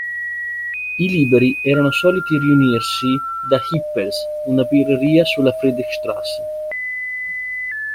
I Liberi erano soliti riunirsi da Hippel's, una birreria sulla Friedrichstraße.